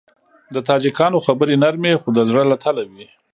د تاجکانو خبرې نرمې خو د زړه له تله وي.